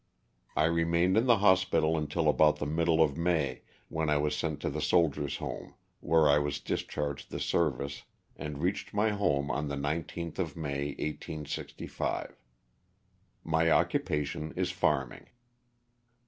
I remained in the hospital until about the middle of May when I was sent to the Sol diers' Home where I was discharged the service and reached my home on the 19th of May, 1865. My occupation is farming.